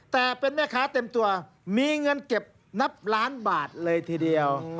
แต่เป็นแม่ค้าเต็มตัวมีเงินเก็บนับล้านบาทเลยทีเดียว